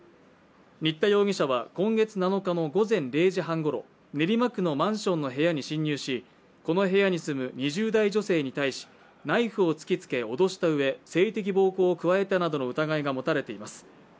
新田容疑者は今月７日の午前０時半ごろ、練馬区のマンションの部屋に侵入しこの部屋に住む２０代女性に対しナイフを突きつけ脅したうえ性的暴行を加えたなどの疑いが持たれています。